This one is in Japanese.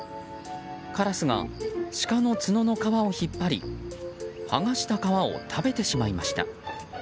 カラスがシカの角の皮を引っ張り剥がした皮を食べてしまいました。